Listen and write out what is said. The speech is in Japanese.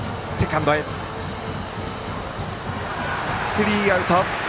スリーアウト！